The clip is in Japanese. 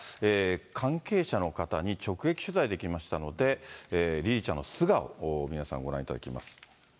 関係者の方に直撃取材できましたので、りりちゃんの素顔を皆さん、ご覧いただきます。